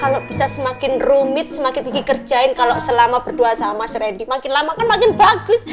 kalo bisa semakin rumit semakin kiki kerjain kalo selama berduaan sama mas reddy makin lama kan makin bagus